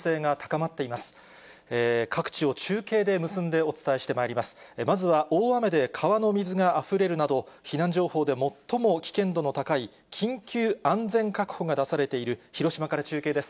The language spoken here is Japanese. まずは大雨で川の水があふれるなど、避難情報で最も危険度の高い緊急安全確保が出されている広島から中継です。